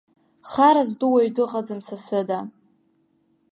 Хара зду уаҩ дыҟаӡам са сыда.